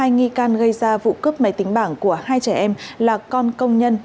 hai nghi can gây ra vụ cướp máy tính bảng của hai trẻ em là con công nhân